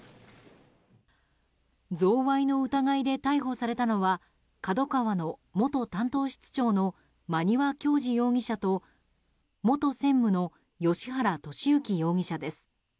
贈賄の疑いで逮捕されたのはＫＡＤＯＫＡＷＡの元担当室長の馬庭教二容疑者と元専務の芳原世幸容疑者です。